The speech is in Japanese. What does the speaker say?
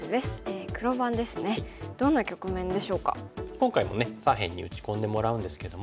今回もね左辺に打ち込んでもらうんですけども。